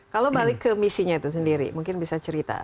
kalau balik ke misinya itu sendiri mungkin bisa cerita